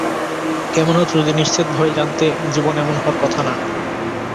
কেমন হতো যদি নিশ্চিতভাবেই জানতে জীবন এমন হওয়ার কথা না।